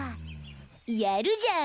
やるじゃん